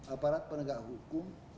aparat penegak hukum